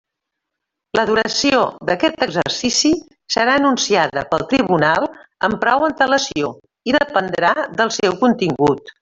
La duració d'aquest exercici serà anunciada pel tribunal amb prou antelació i dependrà del seu contingut.